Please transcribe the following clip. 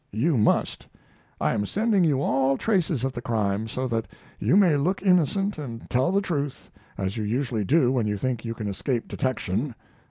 You must. I am sending you all traces of the crime, so that you may look innocent and tell the truth, as you usually do when you think you can escape detection.